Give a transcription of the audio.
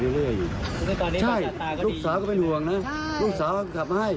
ลูกสาวก็เป็นห่วงนะ